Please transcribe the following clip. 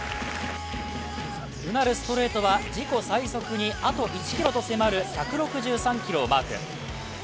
うなるストレートは自己最速にあと１キロと迫る１６３キロをマーク。